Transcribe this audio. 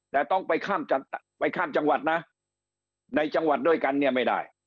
แต่ต้องไปข้ามไปข้ามจังหวัดนะในจังหวัดด้วยกันเนี่ยไม่ได้